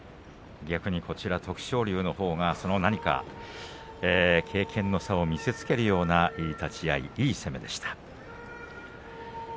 徳勝龍のほうは何か経験の差を見せつけるようないい立ち合い、いい攻めでした。